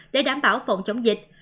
để đảm bảo phộng chống dịch